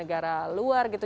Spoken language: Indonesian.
dan hasilnya lembut